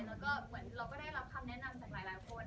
แล้วก็เหมือนเราก็ได้รับคำแนะนำจากหลายคน